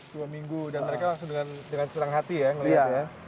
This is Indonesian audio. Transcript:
dua minggu dan mereka langsung dengan senang hati ya melihat ya